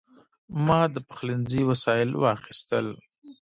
ما د پخلنځي وسایل واخیستل.